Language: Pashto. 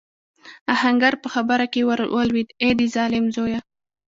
آهنګر په خبره کې ور ولوېد: اې د ظالم زويه!